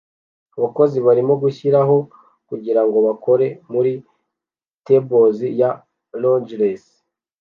Abakozi barimo gushiraho kugirango bakore muri tebes ya Londres